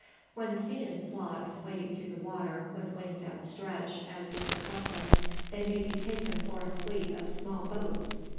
When seen in flocks, wading through the water, with wings outstretched, as is their custom, they may be taken for a fleet of small boats.